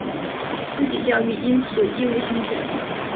初级教育应属义务性质。